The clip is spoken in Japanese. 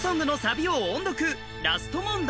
ラスト問題